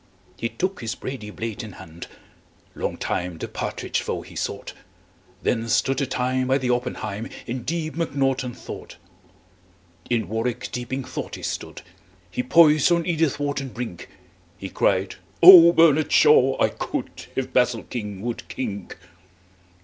He took his brady blade in hand; Long time the partridge foe he sought. Then stood a time by the oppenheim In deep mcnaughton thought. In warwick deeping thought he stood He poised on edithwharton brink; He cried, "Ohbernardshaw! I could If basilking would kink."